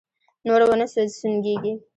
نور و نه سونګېږې!